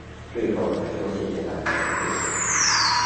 最后还说谢谢大家的配合